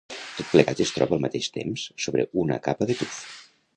Tot plegat es troba, al mateix temps, sobre una capa de tuf.